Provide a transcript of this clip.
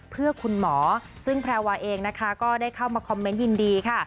เพื่อคุณหมอซึ่งแพรวาเองนะคะก็ได้เข้ามาคอมเมนต์ยินดีค่ะ